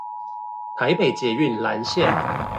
臺北捷運藍線